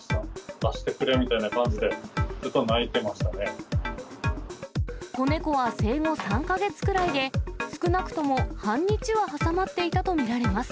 出してくれみたいな感じで、子猫は生後３か月くらいで、少なくとも半日は挟まっていたと見られます。